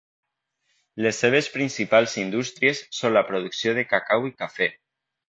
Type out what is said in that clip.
Les seves principals indústries són la producció de cacau i cafè.